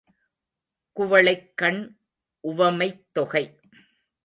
குவளைக் கண் உவமைத்தொகை.